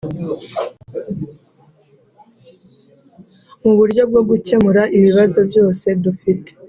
mu buryo bwo gukemura ibibazo byose dufite